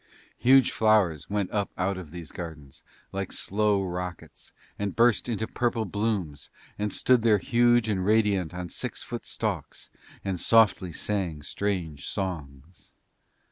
Huge flowers went up out of these gardens like slow rockets and burst into purple blooms and stood there huge and radiant on six foot stalks and softly sang strange songs.